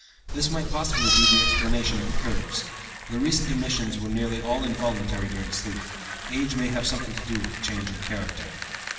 This might possibly be the explanation of the curves. The recent emissions were nearly all involuntary during sleep. Age may have something to do with the change in character."